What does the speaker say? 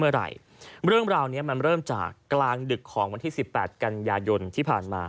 เมื่อไหร่เรื่องราวนี้มันเริ่มจากกลางดึกของวันที่สิบแปดกันยายนที่ผ่านมา